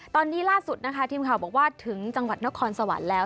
ตอนนี้ล่าสุดนะคะทีมข่าวบอกว่าถึงจังหวัดนครสวรรค์แล้ว